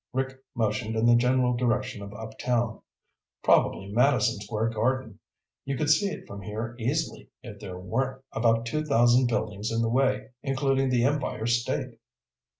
Rick motioned in the general direction of uptown. "Probably Madison Square Garden. You could see it from here easily if there weren't about two thousand buildings in the way including the Empire State."